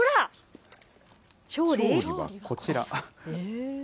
調理はこちら。